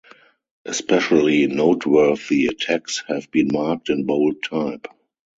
Especially noteworthy attacks have been marked in bold type.